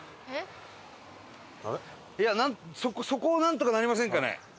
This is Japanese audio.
そこをなんとかなりませんかね？